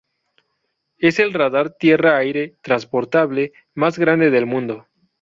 Es el radar tierra-aire transportable más grande del mundo.